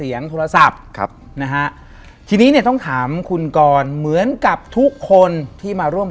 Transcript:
ยินดีตอบคุณกร